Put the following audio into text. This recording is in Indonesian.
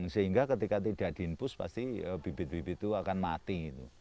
sehingga ketika tidak diinpus pasti bibit bibit itu akan mati